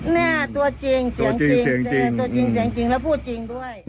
แม่ตัวจริงเสียงจริงตัวจริงเสียงจริงแล้วพูดจริงด้วย